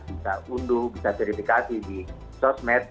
bisa unduh bisa verifikasi di sosmed